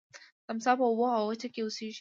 تمساح په اوبو او وچه کې اوسیږي